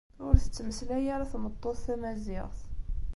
Ur tettmeslay ara tmeṭṭut tamaziɣt.